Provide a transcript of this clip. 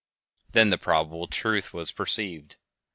Then the probable truth was perceived—_viz.